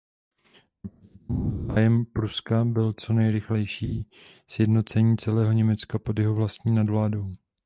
Naproti tomu zájmem Pruska bylo co nejrychlejší sjednocení celého Německa pod jeho vlastní nadvládou.